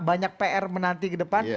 banyak pr menanti ke depan